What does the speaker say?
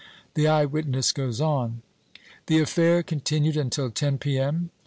The eye witness goes on: "The affair continued until ten P.M.